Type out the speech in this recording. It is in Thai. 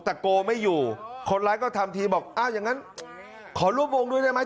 แต่โกไม่อยู่คนร้ายก็ทำทีบอกอ้าวอย่างนั้นขอร่วมวงด้วยได้ไหม